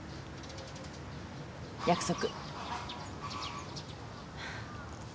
約束。